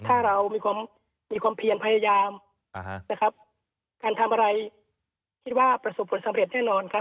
ถ้าเรามีความมีความเพียรพยายามนะครับการทำอะไรคิดว่าประสบผลสำเร็จแน่นอนครับ